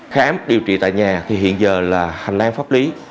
khám điều trị tại nhà thì hiện giờ là hành lang pháp lý